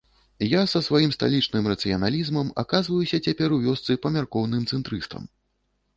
Я са сваім сталічным рацыяналізмам аказваюся цяпер у вёсцы памяркоўным цэнтрыстам.